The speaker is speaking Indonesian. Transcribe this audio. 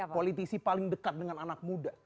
politisi paling dekat dengan anak muda